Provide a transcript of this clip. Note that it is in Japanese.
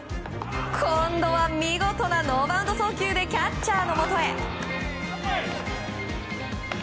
今度は見事なノーバウンド送球でキャッチャーのもとへ。